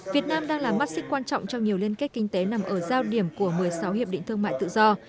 việt nam đang là mắt xích quan trọng trong nhiều liên kết kinh tế nằm ở giao điểm của một mươi sáu hiệp định thương mại tự do